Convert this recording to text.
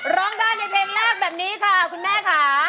ร้องได้ในเพลงแรกแบบนี้ค่ะคุณแม่ค่ะ